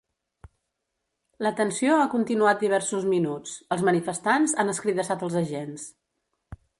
La tensió ha continuat diversos minuts, els manifestants han escridassat els agents.